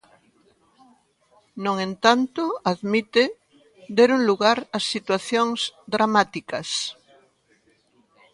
No entanto, admite, deron lugar a situacións "dramáticas".